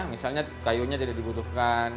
misalnya kayunya tidak dibutuhkan